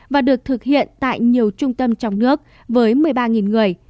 và được thực hiện tại nhiều trung tâm trong nước với một mươi ba người